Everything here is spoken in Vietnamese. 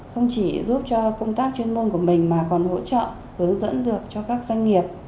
không chỉ giúp cho công tác chuyên môn của mình mà còn hỗ trợ hướng dẫn được cho các doanh nghiệp